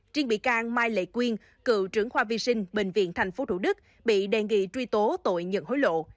triên bị can mai lệ quyên cựu trưởng khoa vi sinh bệnh viện tp thủ đức bị đề nghị truy tố tội nhận hối lộ